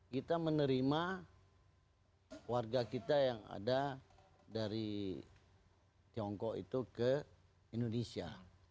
kita menerima warga kita yang ada dari tiongkok itu ke indonesia